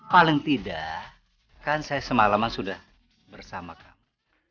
paling tidak kan saya semalaman sudah bersama kami